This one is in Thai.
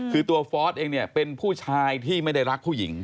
คือตัวฟอสเองเนี่ยเป็นผู้ชายที่ไม่ได้รักผู้หญิง